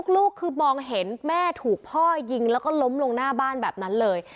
ลูกคือมองเห็นแม่ถูกพ่อยิงแล้วก็ล้มลงหน้าบ้านแบบนั้นเลย